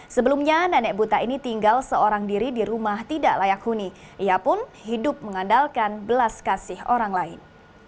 sebelumnya nenek buta ini tinggal seorang diri di rumah tidak layak huni ia pun hidup mengandalkan belas kasih orang lain